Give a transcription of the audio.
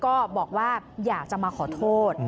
ก็บอกว่าอยากจะมาขอโทษ